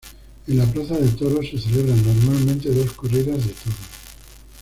En la plaza de toros se celebran normalmente dos corridas de toros.